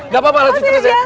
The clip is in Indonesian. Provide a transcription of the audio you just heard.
gak apa apa lanjut terus ya